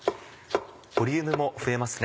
ボリュームも増えますね。